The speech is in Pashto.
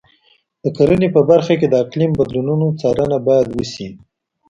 د کرنې په برخه کې د اقلیم بدلونونو څارنه باید وشي.